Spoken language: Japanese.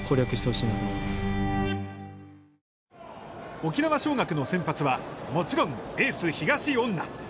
沖縄尚学の先発は、もちろんエース東恩納。